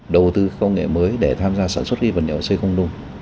đầu tư công nghệ mới để tham gia sản xuất vật liệu xây không nung